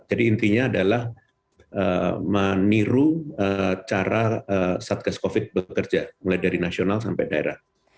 jadi intinya adalah meniru cara satgas covid bekerja mulai dari nasional sampai daerah